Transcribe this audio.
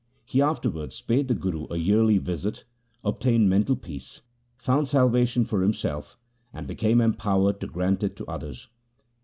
He afterwards paid the Guru a yearly visit, obtained mental peace, found salvation for himself, and became empowered to grant it to others.